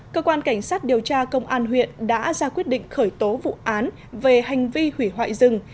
cơ quan cảnh sát điều tra công an huyện đã ra quyết định khởi tố vụ án về hành vi hủy hoại rừng